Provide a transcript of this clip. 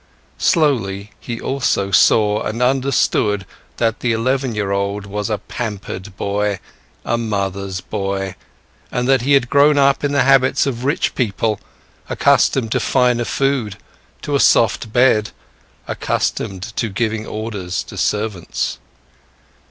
Slowly, he also saw and understood that the eleven year old was a pampered boy, a mother's boy, and that he had grown up in the habits of rich people, accustomed to finer food, to a soft bed, accustomed to giving orders to servants.